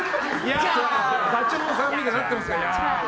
ダチョウさんみたいになってますから。